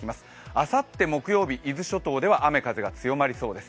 あさって木曜日、伊豆諸島では雨風が強まりそうです。